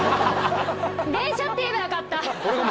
電車って言えばよかった。